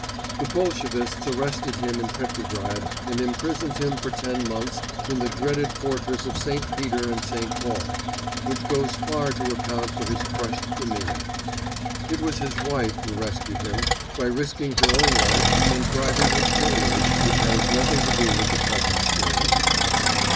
The Bolshevists arrested him in Petrograd and imprisoned him for ten months in the dreaded fortress of St. Peter and St. Paul—which goes far to account for his crushed demeanour. It was his wife who rescued him, by risking her own life and bribing his gaolers, which has nothing to do with the present story.